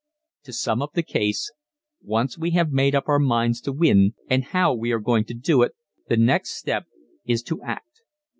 To sum up the case once we have made up our minds to win and how we are going to do it, the next step is to act.